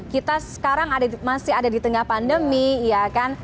kita sekarang masih ada di tengah pandemi ya kan